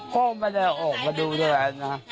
พ่อไม่ได้ออกมาดูด้วยนะ